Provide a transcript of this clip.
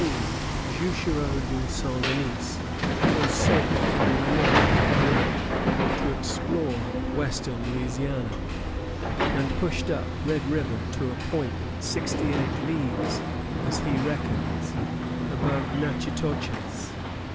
_] In 1714 Juchereau de Saint Denis was sent by La Mothe Cadillac to explore western Louisiana, and pushed up Red River to a point sixty eight leagues, as he reckons, above Natchitoches.